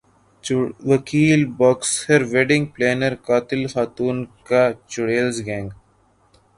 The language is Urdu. وکیل باکسر ویڈنگ پلانر قاتل خاتون کا چڑیلز گینگ